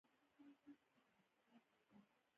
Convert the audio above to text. علامه حبیبي د قبایلي جوړښتونو ارزونه کړې ده.